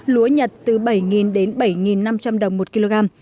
lúa nhật từ bảy đến bảy năm trăm linh đồng một kg